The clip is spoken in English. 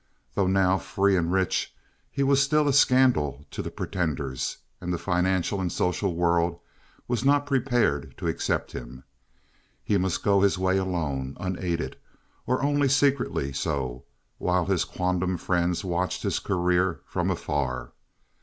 Though now free and rich, he was still a scandal to the pretenders, and the financial and social world was not prepared to accept him. He must go his way alone, unaided, or only secretly so, while his quondam friends watched his career from afar.